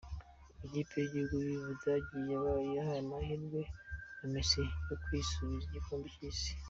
Ikipe y’igihugu y’Ubudage yahaye amahirwe na Messi yo kwisubiza igikombe cy’isi.